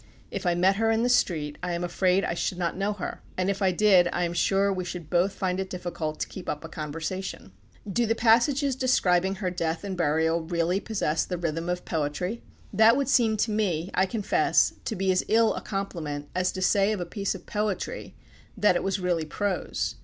If I met her in the street, I am afraid I should not know her; and if I did, I am sure we should both find it difficult to keep up a conversation. Do the passages describing her death and burial really possess the rhythm of poetry? That would seem to me, I confess, to be as ill a compliment as to say of a piece of poetry that it was really prose.